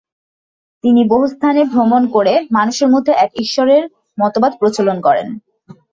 তিনি বহু স্থানে ভ্রমণ করে মানুষের মধ্যে এক ঈশ্বরের মতবাদ প্রচলন করেন।